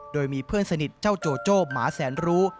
โดยมีเพื่อนสนิทเจ้าโจโจ้หมาแสนรู้